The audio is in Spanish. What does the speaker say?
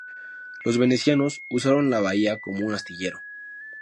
Los venecianos usaron la bahía como un astillero.